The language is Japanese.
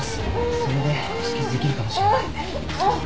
それで止血できるかもしれないんで。